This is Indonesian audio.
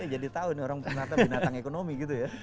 jadi tau nih orang penata binatang ekonomi gitu ya